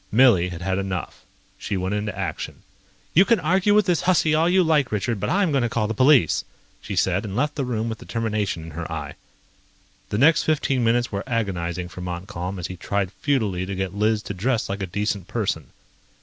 Millie had had enough. She went into action. "You can argue with this hussy all you like, Richard, but I'm going to call the police," she said, and left the room with determination in her eye. The next fifteen minutes were agonizing for Montcalm as he tried futilely to get Liz to dress like a decent person.